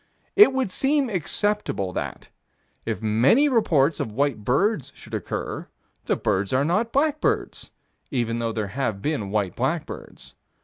It would seem acceptable that, if many reports of white birds should occur, the birds are not blackbirds, even though there have been white blackbirds.